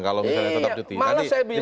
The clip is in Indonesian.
kalau misalnya tetap cuti iya malah saya bilang